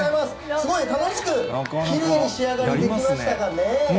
すごい、楽しく、きれいに仕上がりましたかね。